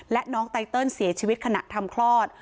และน้องไตเติลเสียชีวิตขณะทำคลอด